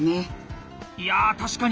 いや確かに！